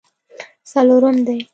څلورم دی.